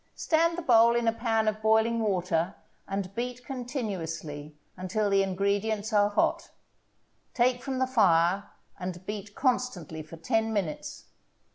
Stand the bowl in a pan of boiling water and beat continuously until the ingredients are hot; take from the fire and beat constantly for ten minutes.